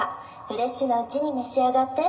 フレッシュなうちに召し上がって。